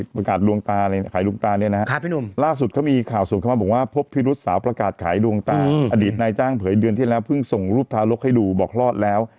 ผลัดขายดวงตาอดีตนายจ้างเผยเดือนที่แล้วเพิ่งส่งรูปทารกให้ดูบอกรอดแล้ว